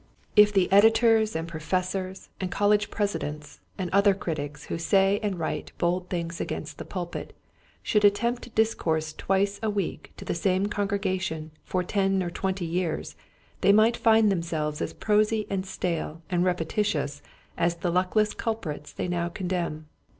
If the editors and professors and college presi dents and other critics who say and write bold things against the pulpit should attempt to discourse twice a week to the same congregation for ten or twenty years they might find themselves as prosy and stale and repetitious as the luckless culprits they now condemn.